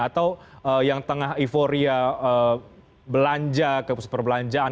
atau yang tengah euphoria belanja ke perbelanjaan